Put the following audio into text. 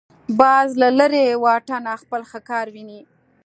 باز له لرې واټنه خپل ښکار ویني